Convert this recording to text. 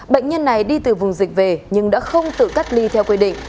bệnh nhân này đi từ vùng dịch về nhưng đã không tự cách ly theo quy định